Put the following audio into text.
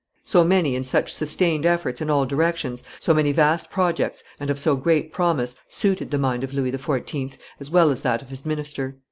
So many and such sustained efforts in all directions, so many vast projects and of so great promise, suited the mind of Louis XIV. as well as that of his minister.